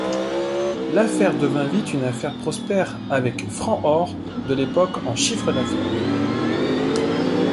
L’affaire devint vite une affaire prospère avec francs-or de l’époque, en chiffre d’affaires.